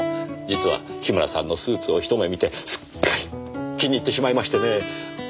実は樋村さんのスーツを一目見てすっかり気に入ってしまいましてね。